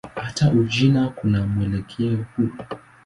Hata Uchina kuna mwelekeo huu.